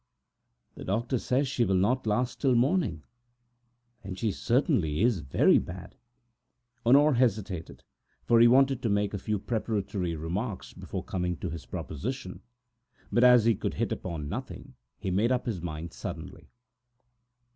"The doctor says she will not last till morning." "Then she certainly is very bad!" Honore hesitated, for he wanted to make a few preliminary remarks before coming to his proposal, but as he could hit upon nothing, he made up his mind suddenly.